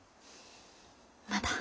まだ。